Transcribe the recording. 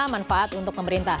manfaat untuk pemerintah